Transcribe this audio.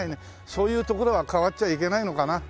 そういう所は変わっちゃいけないのかな。